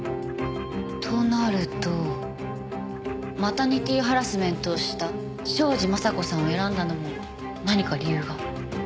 となるとマタニティハラスメントをした庄司雅子さんを選んだのも何か理由が。